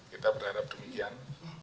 kita berharap demikian